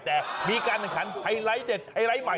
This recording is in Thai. แต่จะมีการขันไซไลท์เด็ดไซไลท์ใหม่